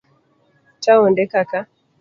Taonde kaka